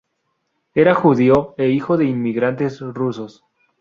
Era judío e hijo de inmigrantes rusos.